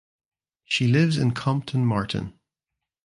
She lives in Compton Martin.